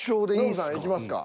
ノブさんいきますか？